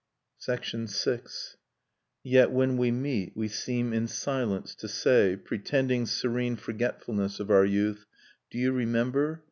VI. Yet when we meet we seem in silence to say. Pretending serene forgetfulness of our youth, *Do you remember